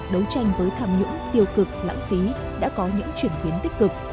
đấu tranh với tham nhũng tiêu cực lãng phí đã có những chuyển biến tích cực